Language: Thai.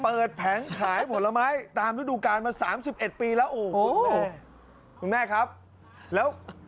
เปิดแผงขายผลไม้ตามธุดูกาลมา๓๑ปีแล้ว